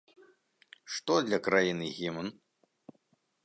Што для краіны гімн?